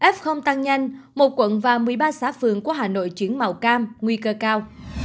f tăng nhanh một quận và một mươi ba xã phường của hà nội chuyển màu cam nguy cơ cao